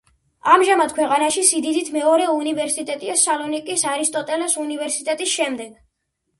ამჟამად ქვეყანაში სიდიდთ მეორე უნივერსიტეტია სალონიკის არისტოტელეს უნივერსიტეტის შემდეგ.